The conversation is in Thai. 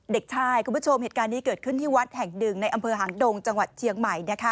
เด็กชายคุณผู้ชมเหตุการณ์นี้เกิดขึ้นที่วัดแห่งหนึ่งในอำเภอหางดงจังหวัดเชียงใหม่นะคะ